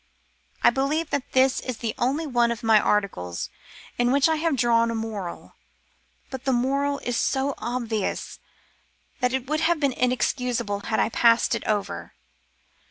I believe that this is the only one of my articles in which I have drawn a moral, but the moral is so obvious that it would have been inexcusable had I passed it over.